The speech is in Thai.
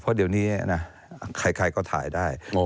เพราะเดี๋ยวนี้นะใครก็ถ่ายได้